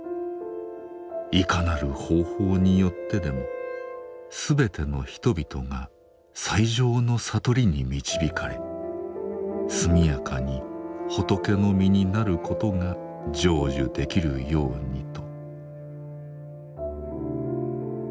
いかなる方法によってでもすべての人々が最上の悟りに導かれすみやかに仏の身になることが成就できるようにと。